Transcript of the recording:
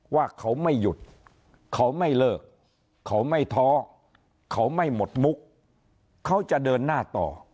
ว่าเขาไม่หยุดเขาไม่เลิกเขาไม่ท้อเขาไม่หมดมุกเขาจะเดินหน้าต่อ